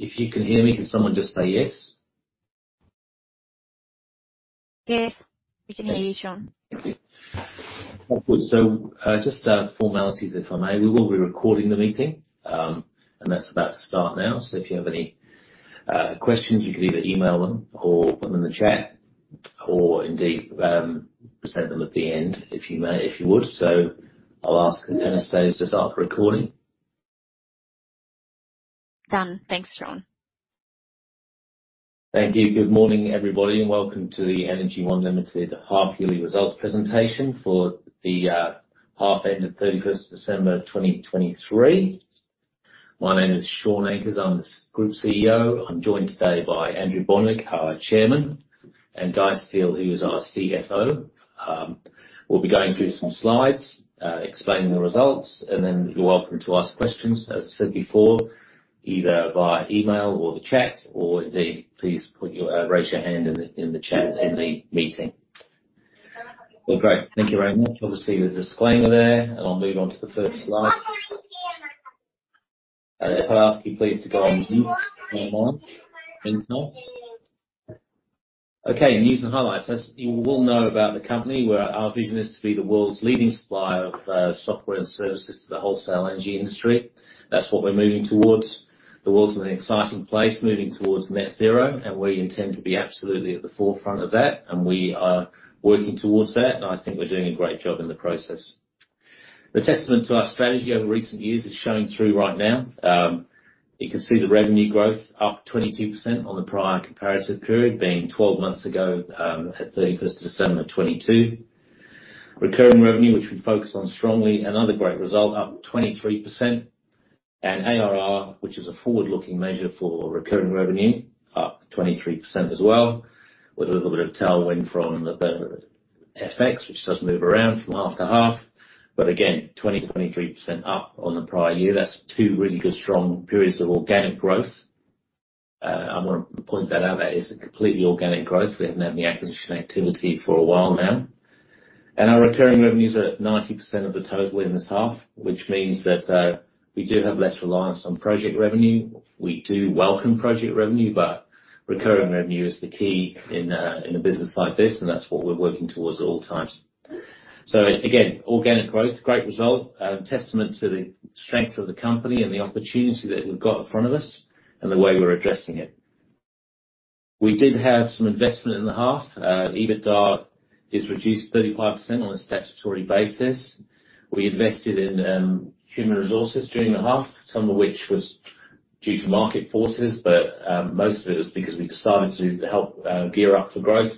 If you can hear me, can someone just say yes? Yes. We can hear you, Shaun. Thank you. That's good. So just formalities, if I may. We will be recording the meeting, and that's about to start now. So if you have any questions, you can either email them or put them in the chat or indeed present them at the end if you would. So I'll ask Anastasia to start the recording. Done. Thanks, Shaun. Thank you. Good morning, everybody, and welcome to the Energy One Limited half-yearly results presentation for the half-end of 31st December 2023. My name is Shaun Ankers. I'm the Group CEO. I'm joined today by Andrew Bonwick, our Chairman, and Guy Steel, who is our CFO. We'll be going through some slides, explaining the results, and then you're welcome to ask questions, as I said before, either via email or the chat. Or indeed, please raise your hand in the meeting. Well, great. Thank you very much. You'll see the disclaimer there, and I'll move on to the first slide. If I ask you, please, to go on mute, do you mind? Okay. News and highlights. As you will know about the company, our vision is to be the world's leading supplier of software and services to the wholesale energy industry. That's what we're moving towards. The world's an exciting place, moving towards net zero, and we intend to be absolutely at the forefront of that. And we are working towards that, and I think we're doing a great job in the process. The testament to our strategy over recent years is showing through right now. You can see the revenue growth up 22% on the prior comparative period, being 12 months ago at 31st December 2022. Recurring revenue, which we focus on strongly, another great result, up 23%. And ARR, which is a forward-looking measure for recurring revenue, up 23% as well, with a little bit of tailwind from the FX, which does move around from half to half. But again, 20%-23% up on the prior year. That's two really good, strong periods of organic growth. I want to point that out. That is completely organic growth. We haven't had any acquisition activity for a while now. Our recurring revenues are at 90% of the total in this half, which means that we do have less reliance on project revenue. We do welcome project revenue, but recurring revenue is the key in a business like this, and that's what we're working towards at all times. Again, organic growth, great result, testament to the strength of the company and the opportunity that we've got in front of us and the way we're addressing it. We did have some investment in the half. EBITDA is reduced 35% on a statutory basis. We invested in human resources during the half, some of which was due to market forces, but most of it was because we decided to help gear up for growth.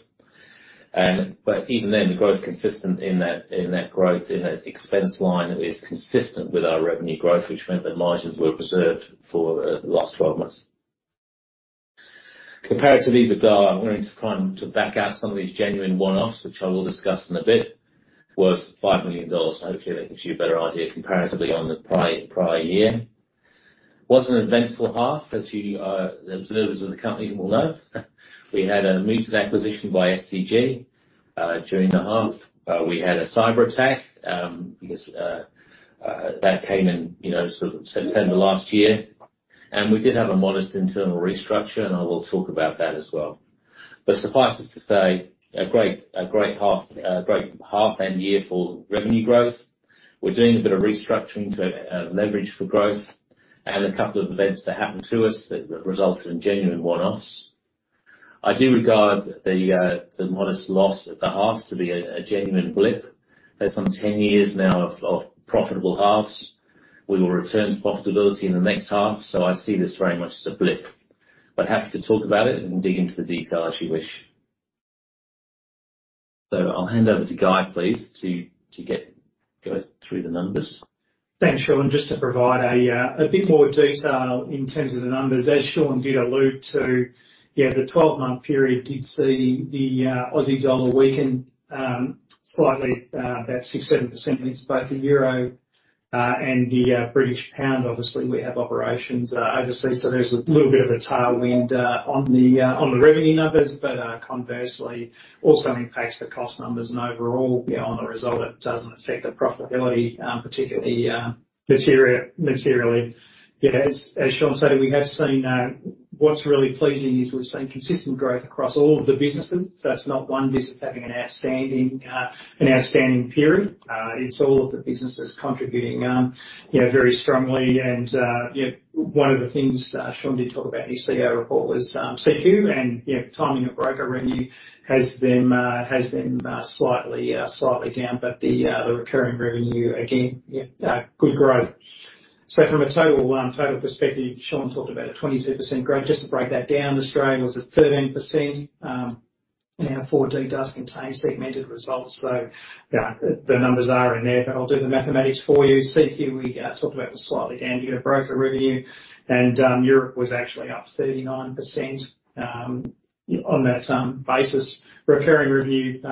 But even then, the growth consistent in that growth, in that expense line, is consistent with our revenue growth, which meant that margins were preserved for the last 12 months. Comparative EBITDA, I'm going to try and back out some of these genuine one-offs, which I will discuss in a bit. Was 5 million dollars. Hopefully, that gives you a better idea comparatively on the prior year. It was an eventful half, as observers of the company will know. We had a mooted acquisition by STG during the half. We had a cyber attack because that came in sort of September last year. And we did have a modest internal restructure, and I will talk about that as well. But suffice it to say, a great half-end year for revenue growth. We're doing a bit of restructuring to leverage for growth and a couple of events that happened to us that resulted in genuine one-offs. I do regard the modest loss at the half to be a genuine blip. There's some 10 years now of profitable halves. We will return to profitability in the next half, so I see this very much as a blip. But happy to talk about it and dig into the detail as you wish. So I'll hand over to Guy, please, to go through the numbers. Thanks, Shaun. Just to provide a bit more detail in terms of the numbers, as Shaun did allude to, yeah, the 12-month period did see the Australian dollar weaken slightly, about 6%-7%. It's both the euro and the British pound. Obviously, we have operations overseas, so there's a little bit of a tailwind on the revenue numbers, but conversely, also impacts the cost numbers. And overall, on the result, it doesn't affect the profitability, particularly materially. As Shaun said, we have seen what's really pleasing is we've seen consistent growth across all of the businesses. That's not one business having an outstanding period. It's all of the businesses contributing very strongly. And one of the things Shaun did talk about in his CEO report was CQ, and timing of broker revenue has them slightly down, but the recurring revenue, again, good growth. So from a total perspective, Sean talked about a 22% growth. Just to break that down, Australia was at 13%. And our 4D does contain segmented results, so the numbers are in there. But I'll do the mathematics for you. CQ, we talked about, was slightly down due to broker revenue, and Europe was actually up 39% on that basis. Recurring revenue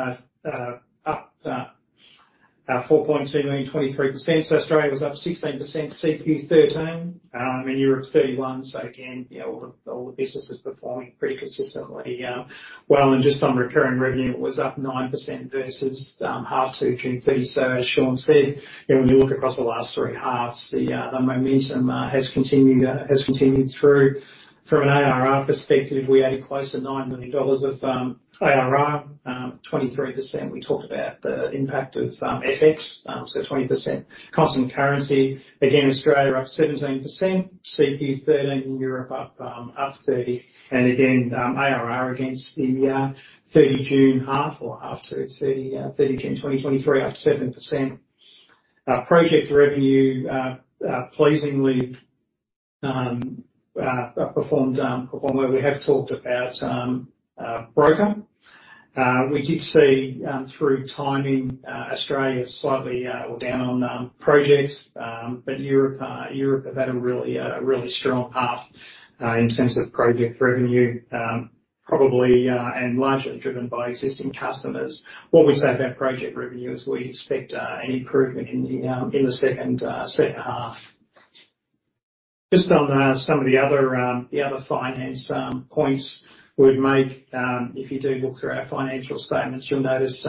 up 4.2 million, 23%. So Australia was up 16%, CQ 13, and Europe 31. So again, all the businesses performing pretty consistently well. And just on recurring revenue, it was up 9% versus half two June 30th. So as Sean said, when you look across the last three halves, the momentum has continued through. From an ARR perspective, we added close to 9 million dollars of ARR, 23%. We talked about the impact of FX, so 20% constant currency. Again, Australia up 17%, CQ 13, and Europe up 30. And again, ARR against the 30 June half or half two 30 June 2023, up 7%. Project revenue pleasingly performed where we have talked about broker. We did see through timing, Australia slightly were down on projects, but Europe had a really strong half in terms of project revenue, probably and largely driven by existing customers. What we say about project revenue is we expect an improvement in the second half. Just on some of the other finance points we would make, if you do look through our financial statements, you'll notice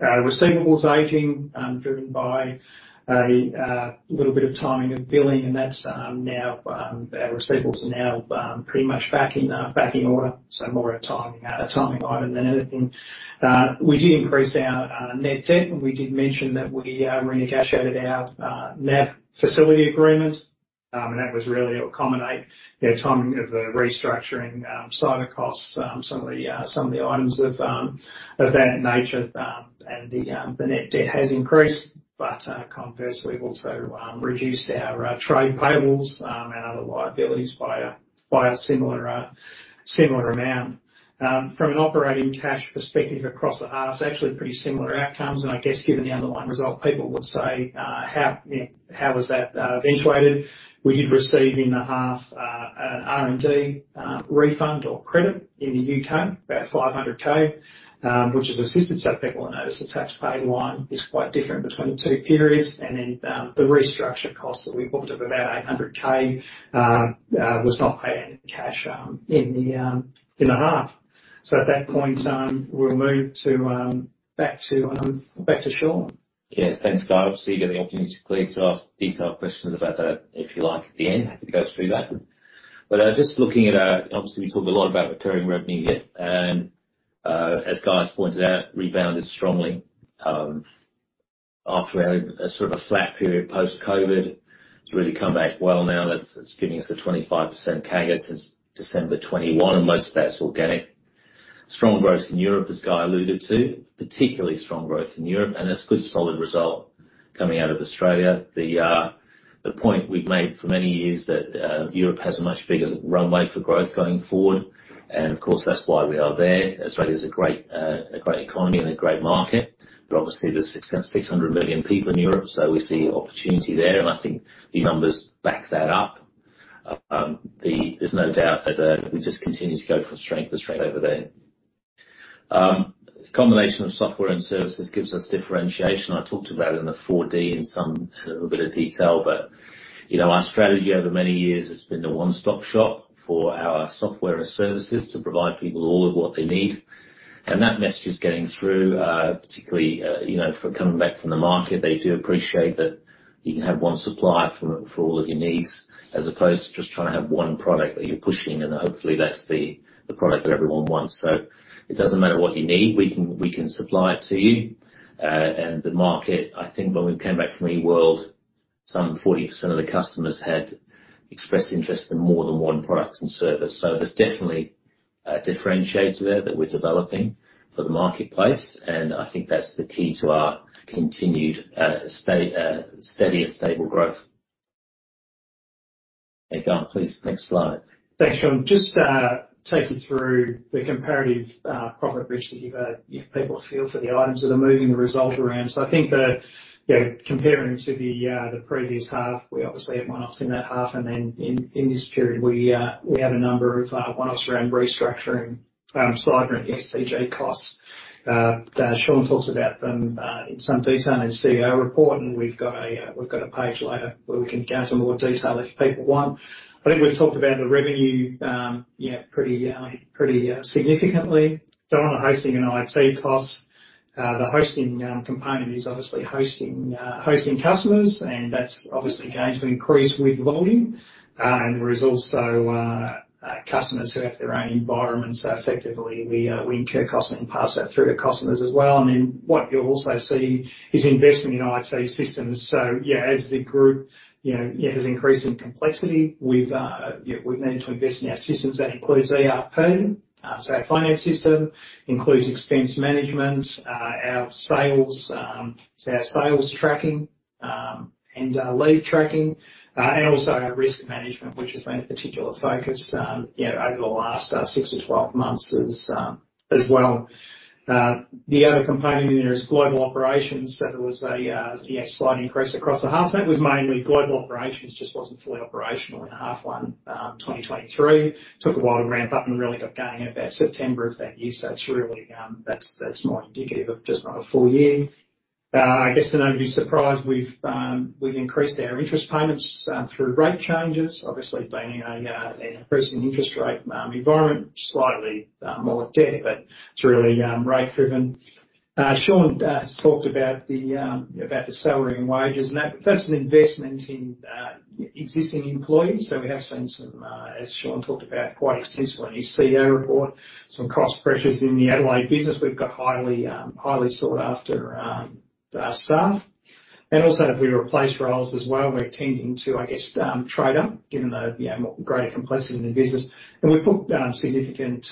receivables aging driven by a little bit of timing of billing. And our receivables are now pretty much back in order, so more a timing item than anything. We did increase our net debt, and we did mention that we renegotiated our NAB facility agreement, and that was really to accommodate timing of the restructuring cyber costs, some of the items of that nature. The net debt has increased, but conversely, we've also reduced our trade payables and other liabilities by a similar amount. From an operating cash perspective across the half, it's actually pretty similar outcomes. I guess given the underlying result, people would say, "How was that eventuated?" We did receive in the half an R&D refund or credit in the U.K., about 500,000, which has assisted some people to notice the tax paid line is quite different between the two periods. Then the restructure cost that we've talked about, about 800,000, was not paid out in cash in the half. At that point, we'll move back to Shaun. Yes. Thanks, Guy. Obviously, you'll get the opportunity, please, to ask detailed questions about that if you like at the end, to go through that. But just looking at obviously, we talk a lot about recurring revenue yet. And as Guy has pointed out, rebounded strongly after a sort of a flat period post-COVID. It's really come back well now. It's giving us a 25% CAGR since December 2021, and most of that's organic. Strong growth in Europe, as Guy alluded to, particularly strong growth in Europe. And that's a good, solid result coming out of Australia. The point we've made for many years is that Europe has a much bigger runway for growth going forward, and of course, that's why we are there. Australia's a great economy and a great market. But obviously, there's 600 million people in Europe, so we see opportunity there, and I think the numbers back that up. There's no doubt that we just continue to go from strength to strength over there. The combination of software and services gives us differentiation. I talked about it in the 4D in some little bit of detail, but our strategy over many years has been the one-stop shop for our software and services to provide people all of what they need. And that message is getting through, particularly coming back from the market. They do appreciate that you can have one supplier for all of your needs as opposed to just trying to have one product that you're pushing, and hopefully, that's the product that everyone wants. So it doesn't matter what you need. We can supply it to you. The market, I think when we came back from E-world, some 40% of the customers had expressed interest in more than one product and service. So there's definitely a differentiator there that we're developing for the marketplace, and I think that's the key to our continued steady and stable growth. Thank you, Ana. Please, next slide. Thanks, Shaun. Just take you through the comparative profit bridge that you've had. People feel for the items that are moving the result around. So I think comparing to the previous half, we obviously had one-offs in that half. Then in this period, we have a number of one-offs around restructuring, cyber, and STG costs. Shaun talks about them in some detail in his CEO report, and we've got a page later where we can go into more detail if people want. I think we've talked about the revenue pretty significantly. Data hosting and IT costs. The hosting component is obviously hosting customers, and that's obviously going to increase with volume. There is also customers who have their own environment, so effectively, we incur costs and pass that through to customers as well. Then what you'll also see is investment in IT systems. So yeah, as the group has increased in complexity, we've needed to invest in our systems. That includes ERP, so our finance system. It includes expense management, our sales, so our sales tracking and lead tracking, and also our risk management, which has been a particular focus over the last 6-12 months as well. The other component in there is global operations. So there was a slight increase across the half, and that was mainly global operations. It just wasn't fully operational in H1 2023. It took a while to ramp up and really got going in about September of that year. So that's more indicative of just not a full year. I guess to nobody's surprise, we've increased our interest payments through rate changes, obviously being an increase in interest rate environment, slightly more with debt, but it's really rate-driven. Shaun has talked about the salary and wages, and that's an investment in existing employees. So we have seen some, as Shaun talked about, quite extensively in his CEO report, some cost pressures in the Adelaide business. We've got highly sought-after staff. And also if we replace roles as well, we're tending to, I guess, trade up given the greater complexity in the business. And we put significant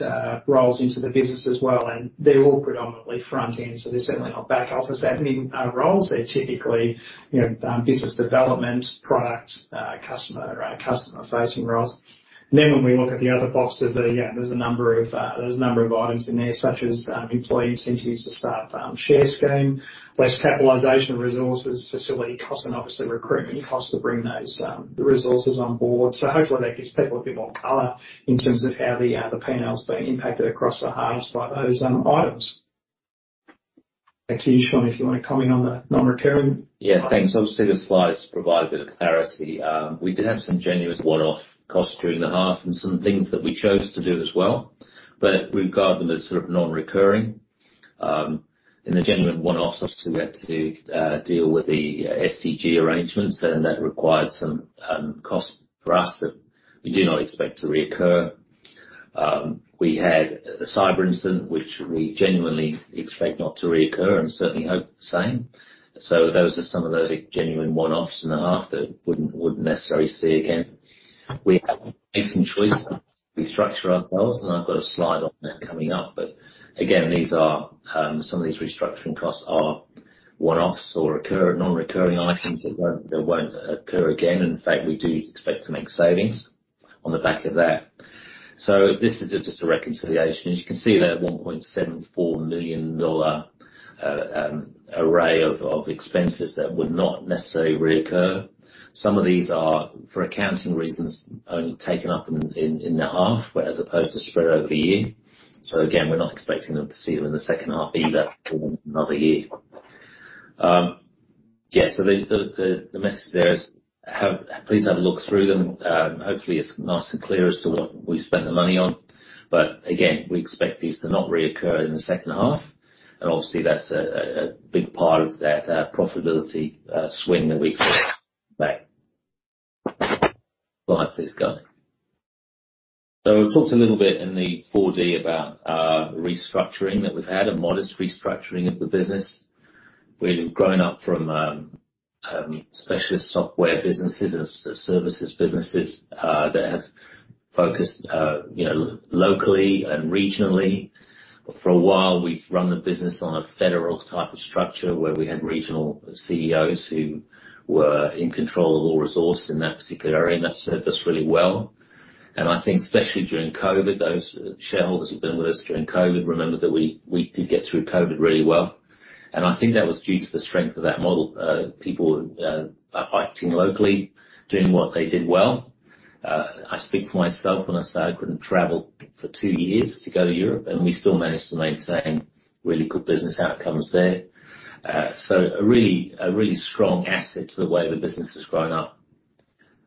roles into the business as well, and they're all predominantly front-end, so they're certainly not back-office admin roles. They're typically business development, product, customer-facing roles. And then when we look at the other boxes, there's a number of items in there such as employee incentives to staff share scheme, less capitalization of resources, facility costs, and obviously recruitment costs to bring the resources on board. Hopefully, that gives people a bit more color in terms of how the P&L's being impacted across the halves by those items. Back to you, Shaun, if you want to comment on the non-recurring. Yeah. Thanks. Obviously, the slides provide a bit of clarity. We did have some genuine one-off costs during the half and some things that we chose to do as well, but we regard them as sort of non-recurring. In the genuine one-offs, obviously, we had to deal with the STG arrangements, and that required some costs for us that we do not expect to reoccur. We had a cyber incident which we genuinely expect not to reoccur and certainly hope the same. So those are some of those genuine one-offs in the half that we wouldn't necessarily see again. We have made some choices to restructure ourselves, and I've got a slide on that coming up. But again, some of these restructuring costs are one-offs or non-recurring items that won't occur again. In fact, we do expect to make savings on the back of that. This is just a reconciliation. As you can see, there is an 1.74 million dollar array of expenses that would not necessarily reoccur. Some of these are, for accounting reasons, only taken up in the half as opposed to spread over the year. So again, we're not expecting to see them in the second half either or in another year. Yeah. So the message there is please have a look through them. Hopefully, it's nice and clear as to what we've spent the money on. But again, we expect these to not reoccur in the second half, and obviously, that's a big part of that profitability swing that we expect to come back. Slide, please, Guy. So we've talked a little bit in the 4D about restructuring that we've had, a modest restructuring of the business. We've grown up from specialist software businesses and services businesses that have focused locally and regionally. For a while, we've run the business on a federal type of structure where we had regional CEOs who were in control of all resources in that particular area, and that served us really well. I think especially during COVID, those shareholders who've been with us during COVID remember that we did get through COVID really well. I think that was due to the strength of that model, people acting locally, doing what they did well. I speak for myself when I say I couldn't travel for two years to go to Europe, and we still managed to maintain really good business outcomes there. A really strong asset to the way the business has grown up.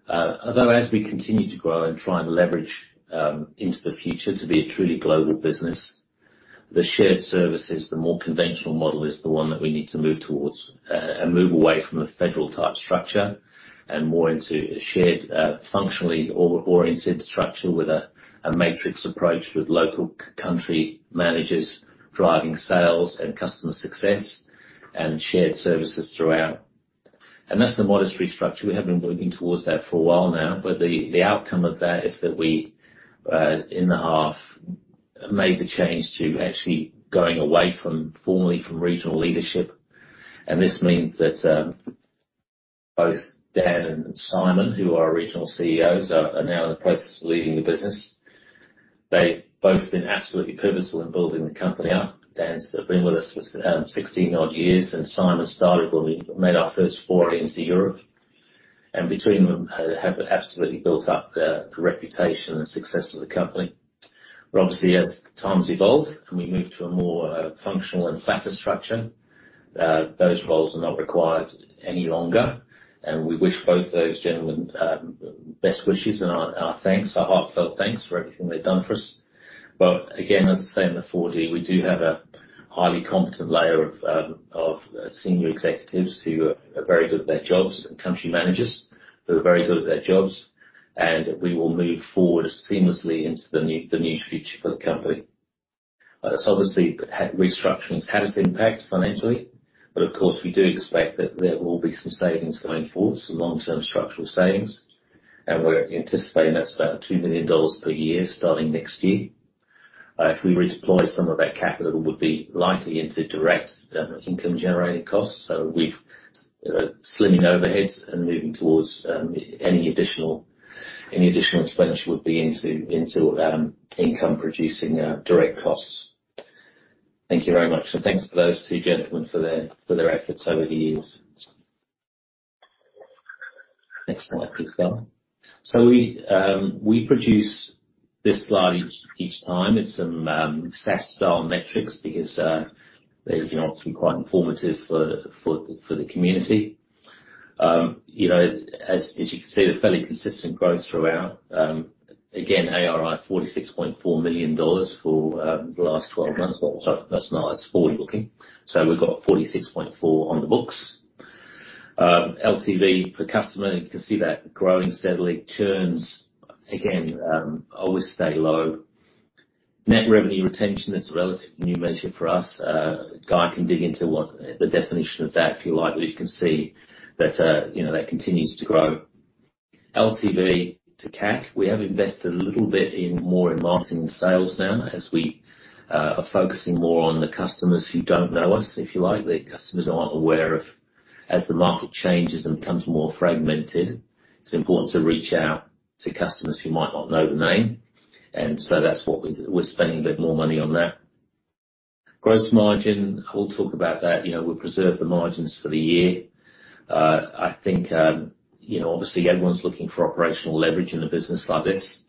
Although, as we continue to grow and try and leverage into the future to be a truly global business, the shared services, the more conventional model, is the one that we need to move towards and move away from the federal-type structure and more into a shared functionally-oriented structure with a matrix approach with local country managers driving sales and customer success and shared services throughout. That's a modest restructure. We have been working towards that for a while now, but the outcome of that is that we, in the half, made the change to actually going away formally from regional leadership. This means that both Dan and Simon, who are regional CEOs, are now in the process of leading the business. They've both been absolutely pivotal in building the company up. Dan's been with us for 16-odd years, and Simon started when we made our first four entries to Europe, and between them have absolutely built up the reputation and success of the company. But obviously, as times evolve and we move to a more functional and flatter structure, those roles are not required any longer, and we wish both of those genuine best wishes and our thanks, our heartfelt thanks for everything they've done for us. But again, as I say in the 4D, we do have a highly competent layer of senior executives who are very good at their jobs and country managers who are very good at their jobs, and we will move forward seamlessly into the new future for the company. So obviously, restructuring's had its impact financially, but of course, we do expect that there will be some savings going forward, some long-term structural savings, and we're anticipating that's about 2 million dollars per year starting next year. If we redeploy, some of that capital would be likely into direct income-generating costs. So we've slimming overheads and moving towards any additional expenditure would be into income-producing direct costs. Thank you very much. So thanks to those two gentlemen for their efforts over the years. Next slide, please, Guy. So we produce this slide each time. It's some SaaS-style metrics because they're obviously quite informative for the community. As you can see, there's fairly consistent growth throughout. Again, ARR, 46.4 million dollars for the last 12 months. Well, sorry, that's not as forward-looking. So we've got 46.4 on the books. LTV per customer, you can see that growing steadily. Churns, again, always stay low. Net Revenue Retention, that's a relatively new measure for us. Guy can dig into the definition of that if you like, but you can see that that continues to grow. LTV to CAC, we have invested a little bit more in marketing and sales now as we are focusing more on the customers who don't know us, if you like. The customers aren't aware of as the market changes and becomes more fragmented, it's important to reach out to customers who might not know the name. And so that's what we're spending a bit more money on that. Gross margin, we'll talk about that. We'll preserve the margins for the year. I think obviously, everyone's looking for operational leverage in a business like this,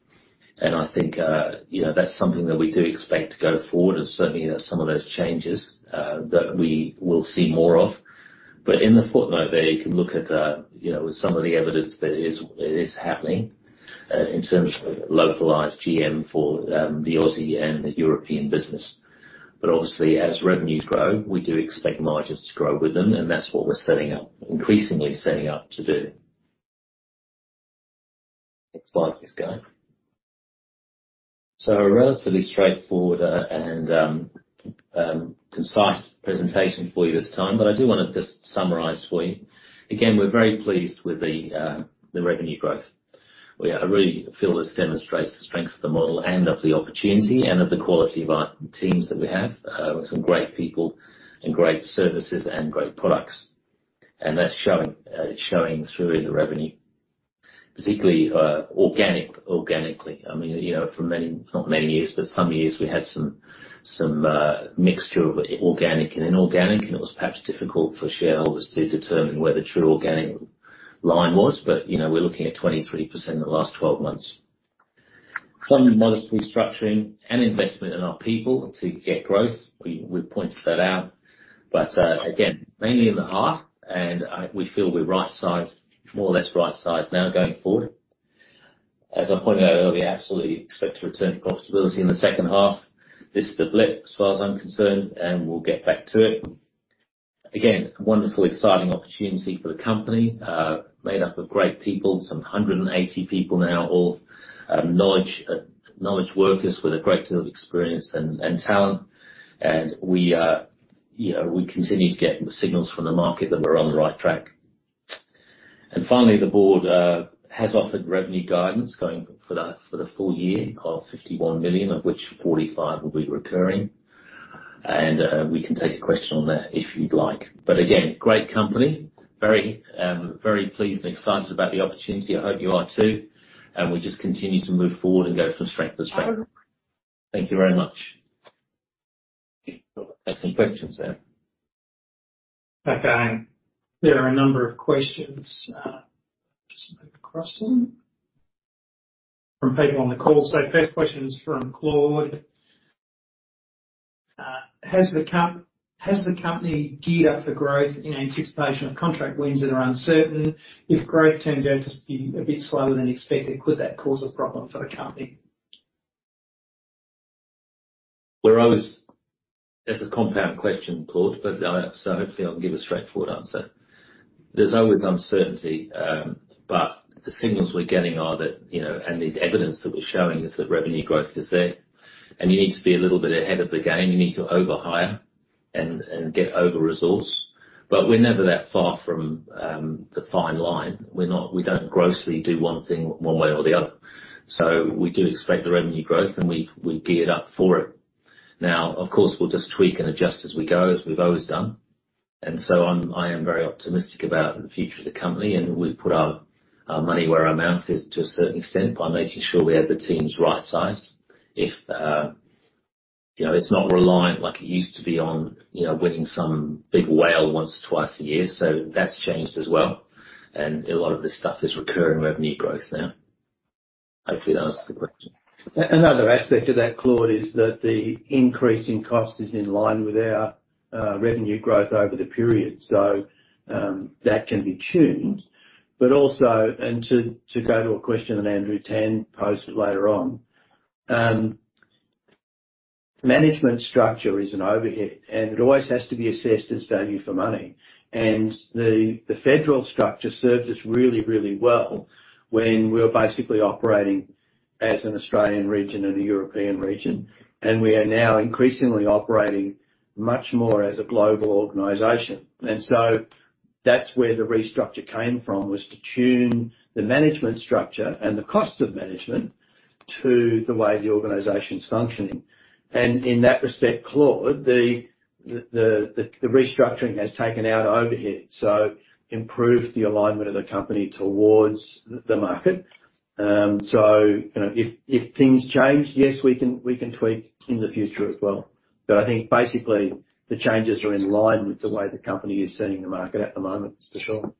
and I think that's something that we do expect to go forward, and certainly, that's some of those changes that we will see more of. But in the footnote there, you can look at some of the evidence that it is happening in terms of localized GM for the Aussie and the European business. But obviously, as revenues grow, we do expect margins to grow with them, and that's what we're increasingly setting up to do. Next slide, please, Guy. So a relatively straightforward and concise presentation for you this time, but I do want to just summarise for you. Again, we're very pleased with the revenue growth. I really feel this demonstrates the strength of the model and of the opportunity and of the quality of our teams that we have with some great people and great services and great products. That's showing through in the revenue, particularly organically. I mean, for not many years, but some years, we had some mixture of organic and inorganic, and it was perhaps difficult for shareholders to determine where the true organic line was, but we're looking at 23% in the last 12 months. Some modest restructuring and investment in our people to get growth. We've pointed that out. But again, mainly in the half, and we feel we're more or less right-sized now going forward. As I pointed out earlier, absolutely expect to return to profitability in the second half. This is the blip as far as I'm concerned, and we'll get back to it. Again, wonderful, exciting opportunity for the company, made up of great people, some 180 people now, all knowledge workers with a great deal of experience and talent. And we continue to get signals from the market that we're on the right track. And finally, the board has offered revenue guidance going for the full year of 51 million, of which 45 million will be recurring. And we can take a question on that if you'd like. But again, great company, very pleased and excited about the opportunity. I hope you are too. And we just continue to move forward and go from strength to strength. Thank you very much. Any questions there? Okay. There are a number of questions. Just move across to them from people on the call. So first question is from Claude. Has the company geared up for growth in anticipation of contract wins that are uncertain? If growth turns out to be a bit slower than expected, could that cause a problem for the company? As a compound question, Claude, but so hopefully, I'll give a straightforward answer. There's always uncertainty, but the signals we're getting are that and the evidence that we're showing is that revenue growth is there. You need to be a little bit ahead of the game. You need to overhire and get over-resource. We're never that far from the fine line. We don't grossly do one thing one way or the other. We do expect the revenue growth, and we've geared up for it. Now, of course, we'll just tweak and adjust as we go, as we've always done. So I am very optimistic about the future of the company, and we've put our money where our mouth is to a certain extent by making sure we have the teams right-sized. It's not reliant like it used to be on winning some big whale once or twice a year, so that's changed as well. A lot of this stuff is recurring revenue growth now. Hopefully, that answers the question. Another aspect of that, Claude, is that the increase in cost is in line with our revenue growth over the period, so that can be tuned. And to go to a question that Andrew Tan posted later on, management structure is an overhead, and it always has to be assessed as value for money. And the federal structure served us really, really well when we were basically operating as an Australian region and a European region, and we are now increasingly operating much more as a global organization. And so that's where the restructure came from, was to tune the management structure and the cost of management to the way the organization's functioning. And in that respect, Claude, the restructuring has taken out overhead. So. Improve the alignment of the company towards the market. So if things change, yes, we can tweak in the future as well. I think basically, the changes are in line with the way the company is seeing the market at the moment, for sure.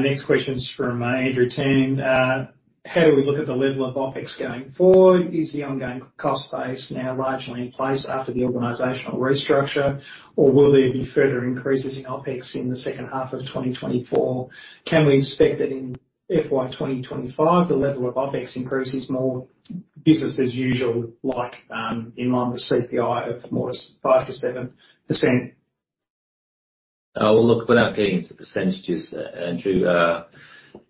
Next question's from Andrew Tan. How do we look at the level of OpEx going forward? Is the ongoing cost base now largely in place after the organizational restructure, or will there be further increases in OpEx in the second half of 2024? Can we expect that in FY 2025, the level of OpEx increases more business-as-usual in line with CPI of more than 5%-7%? We'll look without getting into percentages, Andrew.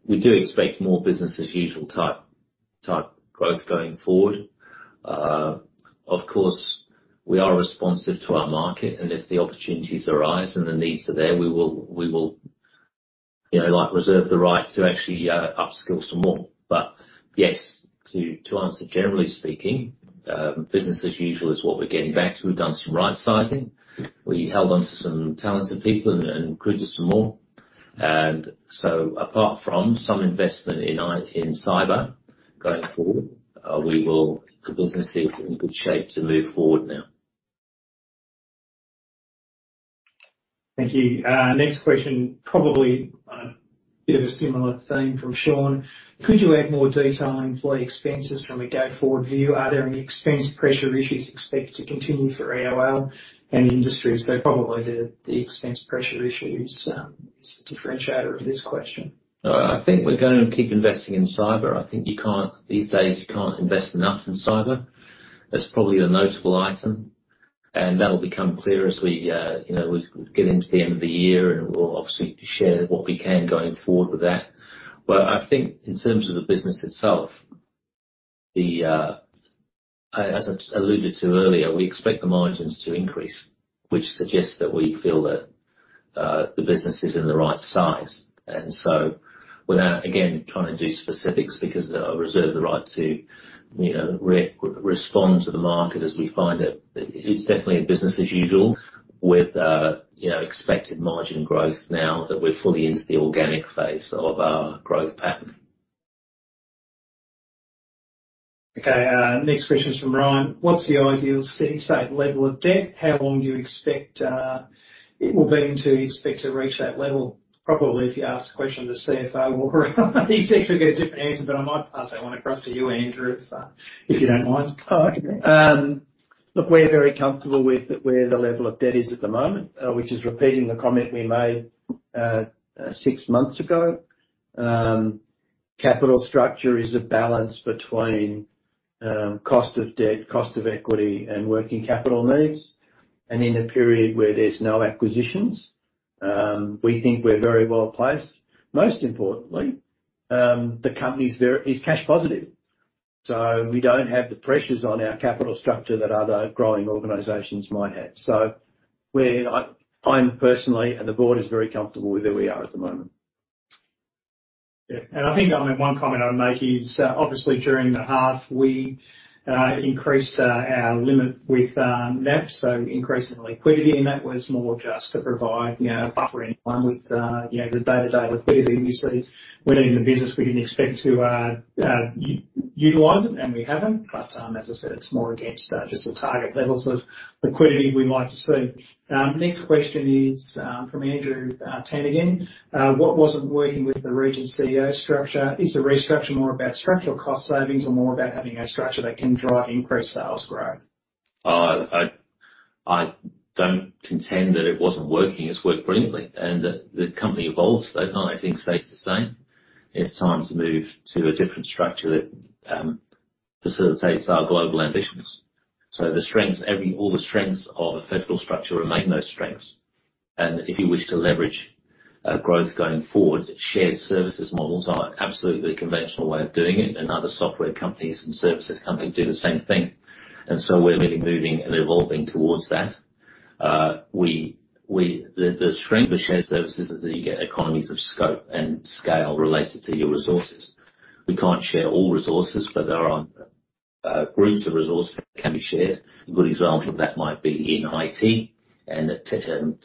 We do expect more business-as-usual type growth going forward. Of course, we are responsive to our market, and if the opportunities arise and the needs are there, we will reserve the right to actually upskill some more. But yes, to answer generally speaking, business-as-usual is what we're getting back to. We've done some right-sizing. We held onto some talented people and recruited some more. And so apart from some investment in cyber going forward, the business is in good shape to move forward now. Thank you. Next question, probably a bit of a similar thing from Shaun. Could you add more detail on employee expenses from a go-forward view? Are there any expense pressure issues expected to continue for EOL and the industry? So probably the expense pressure issue is the differentiator of this question. I think we're going to keep investing in cyber. I think these days, you can't invest enough in cyber. That's probably a notable item, and that'll become clear as we get into the end of the year, and we'll obviously share what we can going forward with that. But I think in terms of the business itself, as I alluded to earlier, we expect the margins to increase, which suggests that we feel that the business is in the right size. And so without, again, trying to do specifics because I reserve the right to respond to the market as we find it, it's definitely a business-as-usual with expected margin growth now that we're fully into the organic phase of our growth pattern. Okay. Next question's from Ryan. What's the ideal steady-state level of debt? How long do you expect it will be until you expect to reach that level? Probably if you ask the question to CFO Walker, he's actually got a different answer, but I might pass that one across to you, Andrew, if you don't mind. Oh, okay. Look, we're very comfortable with where the level of debt is at the moment, which is repeating the comment we made six months ago. Capital structure is a balance between cost of debt, cost of equity, and working capital needs. In a period where there's no acquisitions, we think we're very well placed. Most importantly, the company is cash positive, so we don't have the pressures on our capital structure that other growing organizations might have. I'm personally, and the board is very comfortable with where we are at the moment. Yeah. And I think one comment I'd make is obviously, during the half, we increased our limit with NAB, so increasing liquidity. And that was more just to provide a buffer in line with the day-to-day liquidity we see. We're not even in the business. We didn't expect to utilize it, and we haven't. But as I said, it's more against just the target levels of liquidity we like to see. Next question is from Andrew Tan again. What wasn't working with the region CEO structure? Is the restructure more about structural cost savings or more about having a structure that can drive increased sales growth? I don't contend that it wasn't working. It's worked brilliantly, and the company evolves, though, and I think stays the same. It's time to move to a different structure that facilitates our global ambitions. So all the strengths of a federal structure remain those strengths. And if you wish to leverage growth going forward, shared services models are an absolutely conventional way of doing it, and other software companies and services companies do the same thing. And so we're really moving and evolving towards that. The strength of shared services is that you get economies of scope and scale related to your resources. We can't share all resources, but there are groups of resources that can be shared. A good example of that might be in IT and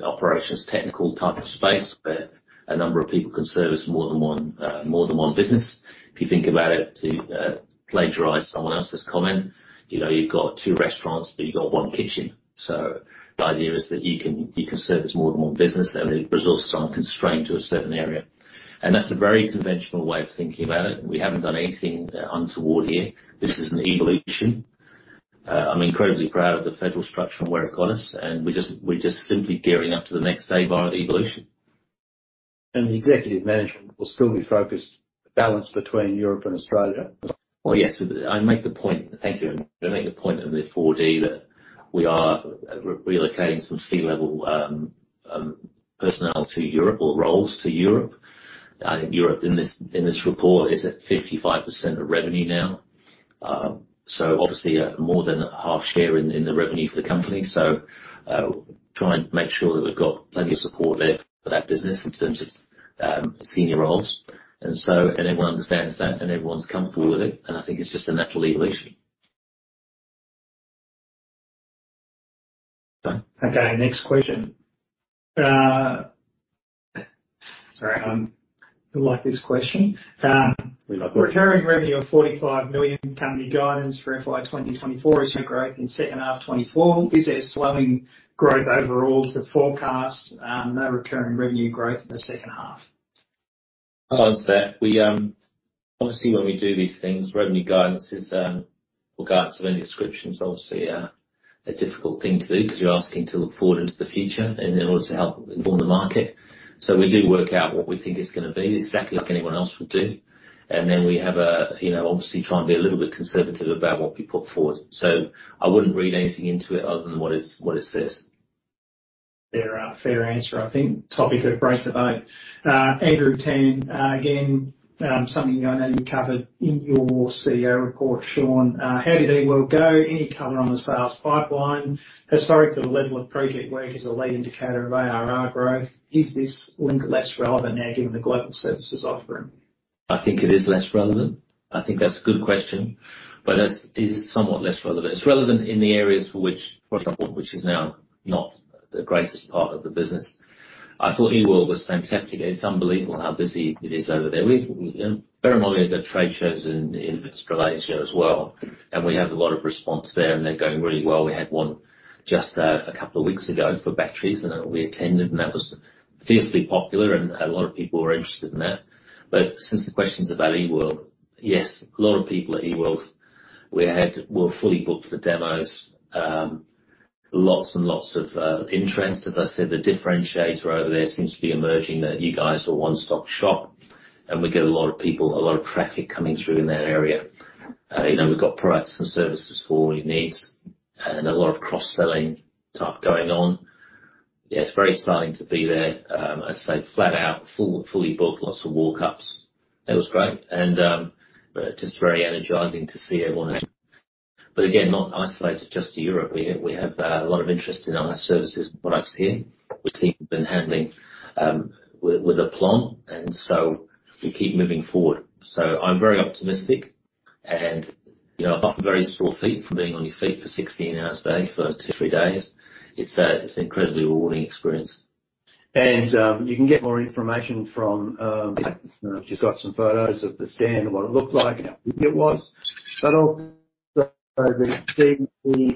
operations technical type of space where a number of people can service more than one business. If you think about it, to plagiarize someone else's comment, you've got two restaurants, but you've got one kitchen. So the idea is that you can service more than one business, and the resources aren't constrained to a certain area. That's a very conventional way of thinking about it. We haven't done anything untoward here. This is an evolution. I'm incredibly proud of the federal structure and where it got us, and we're just simply gearing up to the next day via the evolution. The executive management will still be focused balanced between Europe and Australia? Well, yes. I make the point, thank you, Andrew. I make the point in the 4D that we are relocating some C-level personnel to Europe or roles to Europe. I think Europe in this report is at 55% of revenue now, so obviously, more than half-share in the revenue for the company. So try and make sure that we've got plenty of support there for that business in terms of senior roles. And everyone understands that, and everyone's comfortable with it, and I think it's just a natural evolution. Okay. Next question. Sorry. I'm going to lock this question. We locked it. Recurring revenue of 45 million, company guidance for FY 2024 is no growth in second half 2024. Is there slowing growth overall to forecast no recurring revenue growth in the second half? I'll answer that. Obviously, when we do these things, revenue guidance is well, guidance of any descriptions are obviously a difficult thing to do because you're asking to look forward into the future and in order to help inform the market. So we do work out what we think it's going to be exactly like anyone else would do, and then we have obviously try and be a little bit conservative about what we put forward. So I wouldn't read anything into it other than what it says. Fair answer, I think. Topic of great debate. Andrew Tan, again, something I know you covered in your CEO report, Shaun. How did EOL go? Any color on the sales pipeline? Historically, the level of project work is a lead indicator of ARR growth. Is this link less relevant now given the global services offering? I think it is less relevant. I think that's a good question, but it is somewhat less relevant. It's relevant in the areas for which, for example, which is now not the greatest part of the business. I thought E-world was fantastic. It's unbelievable how busy it is over there. We have a fair amount of trade shows in Australasia as well, and we have a lot of response there, and they're going really well. We had one just a couple of weeks ago for batteries, and we attended, and that was fiercely popular, and a lot of people were interested in that. But since the question's about E-world, yes, a lot of people at E-world. We're fully booked for demos, lots and lots of interest. As I said, the differentiator over there seems to be emerging that you guys are one-stop shop, and we get a lot of people, a lot of traffic coming through in that area. We've got products and services for all your needs and a lot of cross-selling type going on. Yeah, it's very exciting to be there. I'd say flat out, fully booked, lots of walk-ups. It was great, and just very energizing to see everyone interested. But again, not isolated just to Europe. We have a lot of interest in our services and products here. We've been handling with aplomb, and so we keep moving forward. So I'm very optimistic, and apart from very sore feet from being on your feet for 16 hours a day for two or three days, it's an incredibly rewarding experience. You can get more information from. She's got some photos of the stand, what it looked like, how big it was. But also the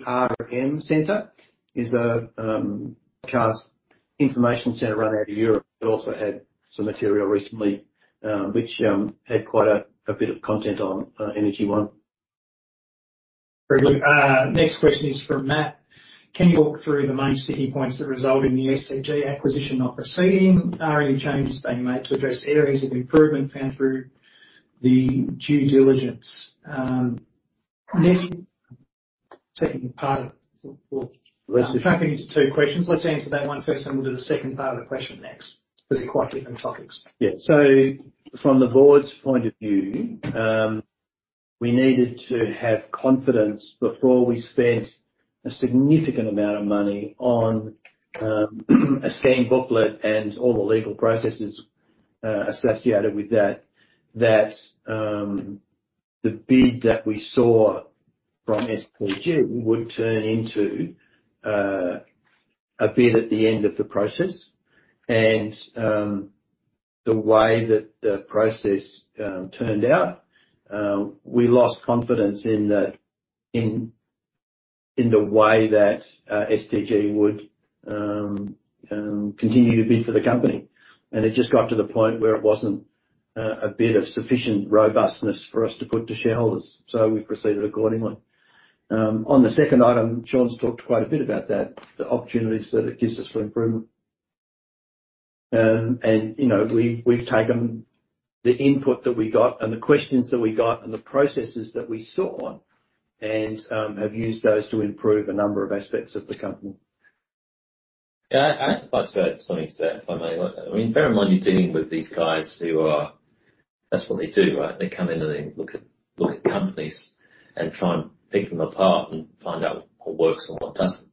ETRM Centre is a podcast information centre run out of Europe. It also had some material recently which had quite a bit of content on Energy One. Very good. Next question is from Matt. Can you walk through the main sticky points that result in the STG acquisition not proceeding? Are any changes being made to address areas of improvement found through the due diligence? Nick, second part of. I'm chunking it into two questions. Let's answer that one first and we'll do the second part of the question next because they're quite different topics. Yeah. So from the board's point of view, we needed to have confidence before we spent a significant amount of money on a scheme booklet and all the legal processes associated with that that the bid that we saw from STG would turn into a bid at the end of the process. And the way that the process turned out, we lost confidence in the way that STG would continue to bid for the company, and it just got to the point where it wasn't a bid of sufficient robustness for us to put to shareholders, so we've proceeded accordingly. On the second item, Shaun's talked quite a bit about that, the opportunities that it gives us for improvement. We've taken the input that we got and the questions that we got and the processes that we saw and have used those to improve a number of aspects of the company. Yeah. I think that's about some extent, if I may. I mean, bear in mind you're dealing with these guys who are, that's what they do, right? They come in and they look at companies and try and pick them apart and find out what works and what doesn't.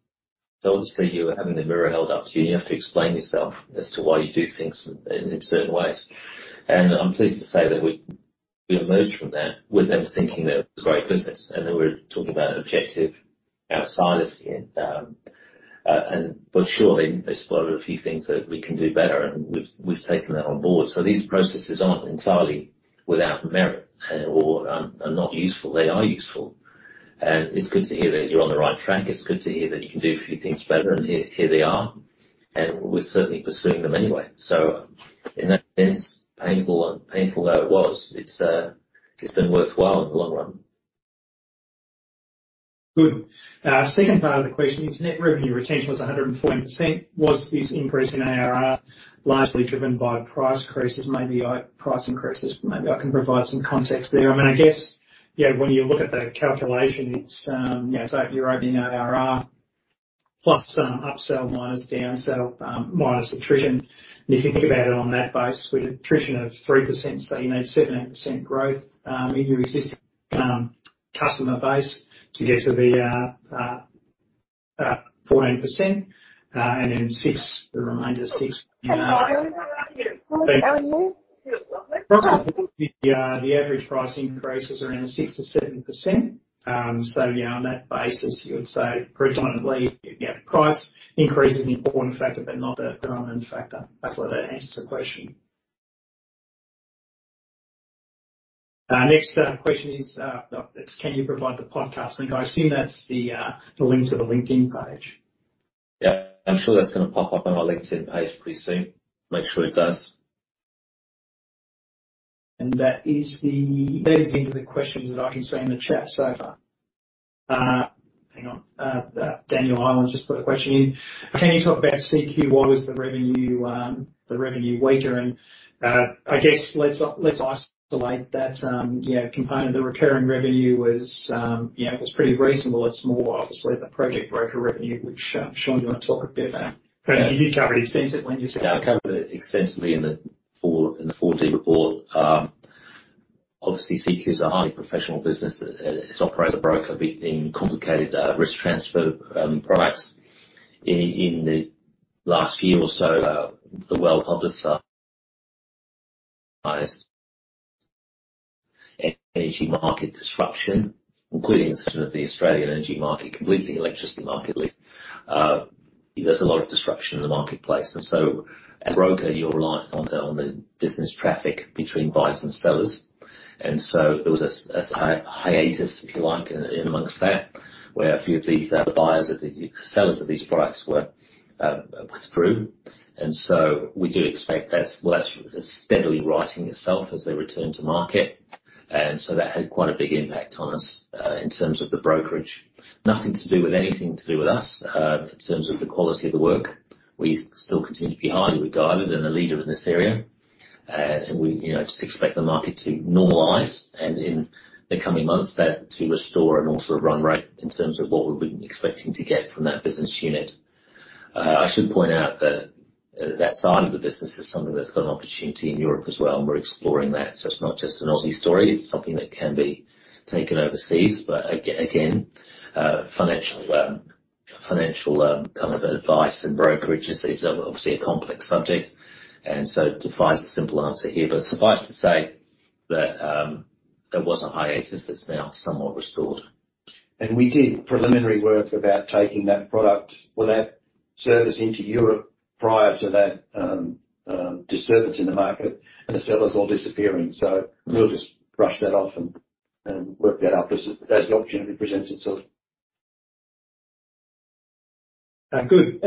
So obviously, you're having the mirror held up to you, and you have to explain yourself as to why you do things in certain ways. And I'm pleased to say that we emerged from that with them thinking that it was a great business, and then we were talking about objective outsiders here. But sure, they spotted a few things that we can do better, and we've taken that on board. So these processes aren't entirely without merit or are not useful. They are useful, and it's good to hear that you're on the right track. It's good to hear that you can do a few things better, and here they are, and we're certainly pursuing them anyway. So in that sense, painful though it was, it's been worthwhile in the long run. Good. Second part of the question is Net Revenue Retention was 104%. Was this increase in ARR largely driven by price increases? Maybe price increases. Maybe I can provide some context there. I mean, I guess when you look at the calculation, it's your opening ARR plus upsell minus downsell minus attrition. And if you think about it on that base, with attrition of 3%, so you need 78% growth in your existing customer base to get to the 14% and then the remainder 6%. The average price increase was around 6%-7%. So on that basis, you would say predominantly, yeah, price increase is an important factor but not the predominant factor. Hopefully, that answers the question. Next question is, can you provide the podcast link? I assume that's the link to the LinkedIn page. Yeah. I'm sure that's going to pop up on our LinkedIn page pretty soon. Make sure it does. That is the end of the questions that I can see in the chat so far. Hang on. Daniel Ireland's just put a question in. Can you talk about CQ? What was the revenue weaker? I guess let's isolate that component. The recurring revenue was pretty reasonable. It's more, obviously, the project broker revenue which Shaun didn't want to talk a bit about. You did cover it extensively when you said. Yeah. I covered it extensively in the 4D report. Obviously, CQ's a highly professional business. It's operated as a broker in complicated risk transfer products. In the last year or so, the well-publicized energy market disruption, including the situation of the Australian energy market completely, electricity market led, there's a lot of disruption in the marketplace. And so as a broker, you're reliant on the business traffic between buyers and sellers. And so there was a hiatus, if you like, in amongst that where a few of these buyers or sellers of these products were withdrawn. And so we do expect that's well, that's steadily righting itself as they return to market, and so that had quite a big impact on us in terms of the brokerage. Nothing to do with anything to do with us in terms of the quality of the work. We still continue to be highly regarded and a leader in this area, and we just expect the market to normalise, and in the coming months that to restore an awesome run rate in terms of what we've been expecting to get from that business unit. I should point out that that side of the business is something that's got an opportunity in Europe as well, and we're exploring that. So it's not just an Aussie story. It's something that can be taken overseas. But again, financial kind of advice and brokerage is obviously a complex subject, and so defies a simple answer here. But suffice to say that there was a hiatus. It's now somewhat restored. We did preliminary work about taking that product or that service into Europe prior to that disturbance in the market, and the sellers all disappearing. We'll just brush that off and work that up as the opportunity presents itself. Good.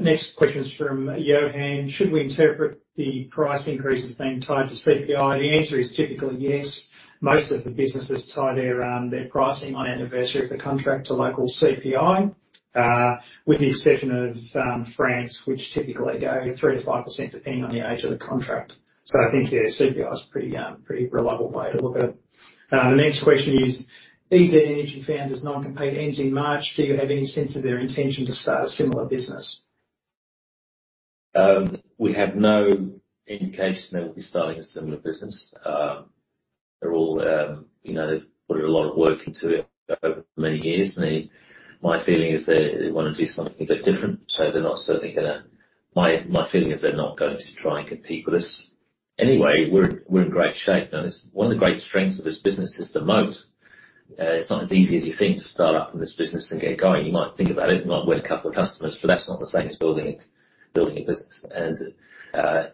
Next question's from Johan. Should we interpret the price increases being tied to CPI? The answer is typically yes. Most of the businesses tie their pricing on anniversary of the contract to local CPI, with the exception of France which typically go 3%-5% depending on the age of the contract. So I think, yeah, CPI's a pretty reliable way to look at it. The next question is, eZ-nergy founders non-compete ends in March. Do you have any sense of their intention to start a similar business? We have no indication they will be starting a similar business. They've put a lot of work into it over many years, and my feeling is they want to do something a bit different, so they're not certainly going to, my feeling is they're not going to try and compete with us. Anyway, we're in great shape, and one of the great strengths of this business is the moat. It's not as easy as you think to start up in this business and get going. You might think about it. You might win a couple of customers, but that's not the same as building a business.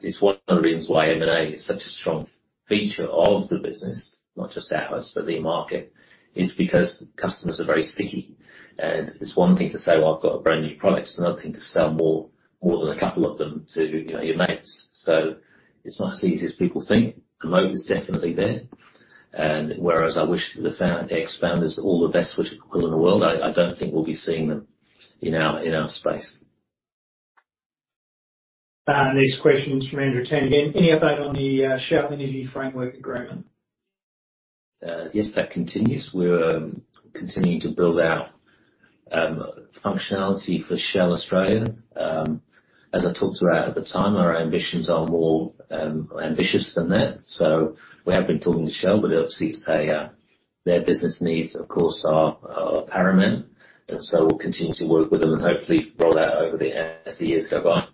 It's one of the reasons why M&A is such a strong feature of the business, not just ours but the market, is because customers are very sticky, and it's one thing to say, "Well, I've got a brand new product." It's another thing to sell more than a couple of them to your mates. It's not as easy as people think. The moat is definitely there, whereas I wish that the ex-founders all the best wishes in the world. I don't think we'll be seeing them in our space. Next question's from Andrew Tan. Again, any update on the Shell Energy Framework Agreement? Yes, that continues. We're continuing to build out functionality for Shell Australia. As I talked about at the time, our ambitions are more ambitious than that. So we have been talking to Shell, but obviously, their business needs, of course, are paramount, and so we'll continue to work with them and hopefully roll that over as the years go by.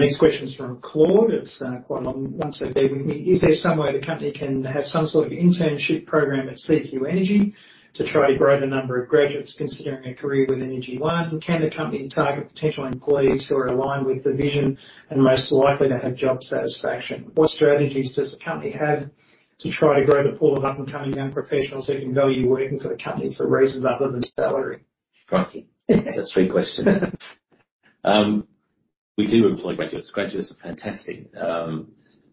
Next question's from Claude. It's quite a long one, so bear with me. Is there some way the company can have some sort of internship program at CQ Energy to try to grow the number of graduates considering a career with Energy One? Can the company target potential employees who are aligned with the vision and most likely to have job satisfaction? What strategies does the company have to try to grow the pool of up-and-coming young professionals who can value working for the company for reasons other than salary? Gotcha. That's 3 questions. We do employ graduates. Graduates are fantastic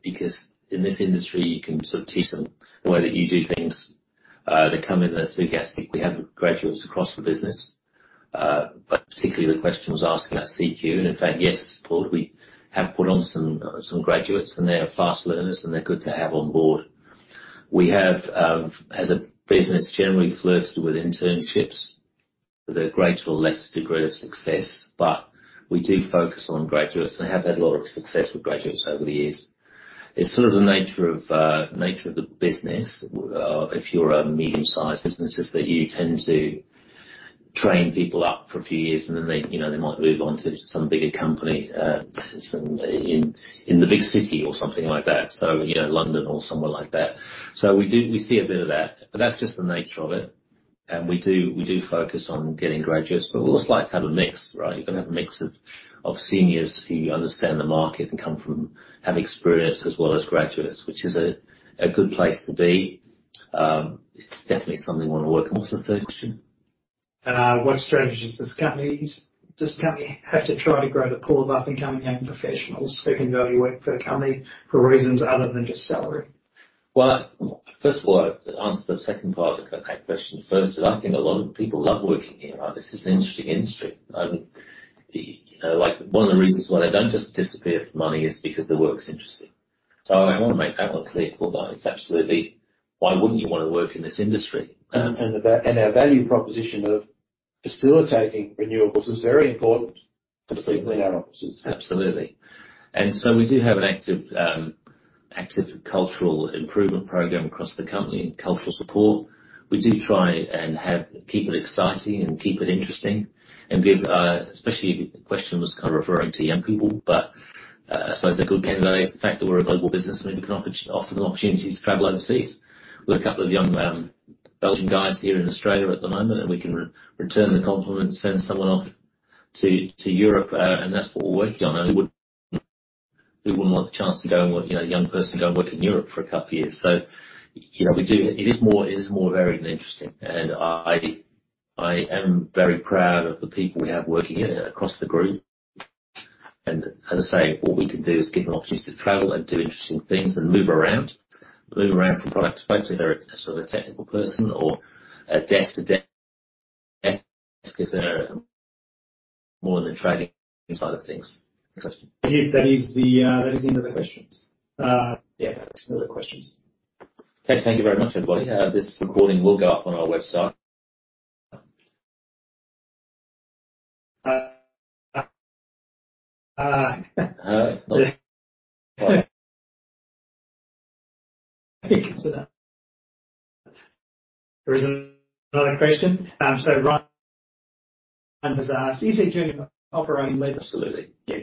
because in this industry, you can sort of teach them the way that you do things. They come in and they're suggestive. We have graduates across the business, but particularly the question was asked about CQ, and in fact, yes, Claude, we have put on some graduates, and they're fast learners, and they're good to have on board. We have, as a business, generally flirts with internships with a greater or less degree of success, but we do focus on graduates, and we have had a lot of success with graduates over the years. It's sort of the nature of the business. If you're a medium-sized business, it's that you tend to train people up for a few years, and then they might move on to some bigger company in the big city or something like that, so London or somewhere like that. So we see a bit of that, but that's just the nature of it, and we do focus on getting graduates, but we also like to have a mix, right? You're going to have a mix of seniors who understand the market and have experience as well as graduates, which is a good place to be. It's definitely something we want to work. What's the third question? What strategies does the company have to try to grow the pool of up-and-coming young professionals who can value work for the company for reasons other than just salary? Well, first of all, to answer the second part of that question first, I think a lot of people love working here, right? This is an interesting industry. One of the reasons why they don't just disappear for money is because the work's interesting. So I want to make that one clear, Claude, though. It's absolutely, "Why wouldn't you want to work in this industry? Our value proposition of facilitating renewables is very important to people in our offices. Absolutely. So we do have an active cultural improvement program across the company and cultural support. We do try and keep it exciting and keep it interesting and give especially the question was kind of referring to young people, but I suppose they're good candidates. The fact that we're a global business means we can offer them opportunities to travel overseas. We've got a couple of young Belgian guys here in Australia at the moment, and we can return the compliment, send someone off to Europe, and that's what we're working on. We wouldn't want the chance to go and work a young person go and work in Europe for a couple of years. So it is more varied and interesting, and I am very proud of the people we have working here across the group. As I say, what we can do is give them opportunities to travel and do interesting things and move around, move around from product to product if they're sort of a technical person or a desk to desk if they're more in the trading side of things. That is the end of the questions. Yeah. That's the end of the questions. Okay. Thank you very much, everybody. This recording will go up on our website. I think there is another question. So Ryan has asked, "EZ Junior operating lead?" Absolutely. Yeah.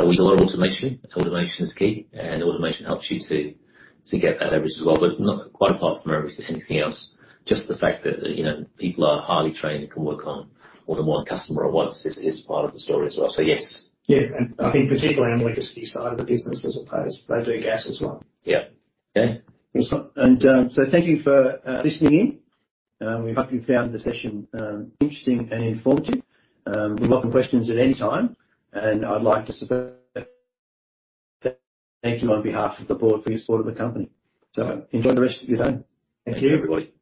We use a lot of automation. Automation is key, and automation helps you to get that average as well, but not quite apart from anything else. Just the fact that people are highly trained and can work on more than one customer at once is part of the story as well. So yes. Yeah. And I think particularly on the liquidity side of the business as opposed. They do gas as well. Yeah. Okay. Thank you for listening in. We hope you've found the session interesting and informative. We welcome questions at any time, and I'd like to thank you on behalf of the board for your support of the company. Enjoy the rest of your day. Thank you, everybody.